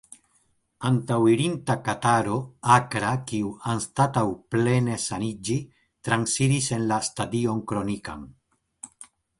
Antaŭirinta kataro akra, kiu, anstataŭ plene saniĝi, transiris en la stadion kronikan.